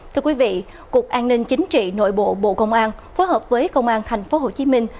thưa quý vị cục an ninh chính trị nội bộ bộ công an phối hợp với công an thành phố hồ chí minh